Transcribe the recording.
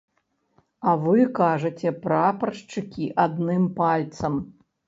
А вы кажаце прапаршчыкі адным пальцам!